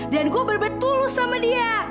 dan gue bener bener tulus sama dia